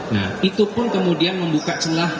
nah itu pun kemudian membuka celah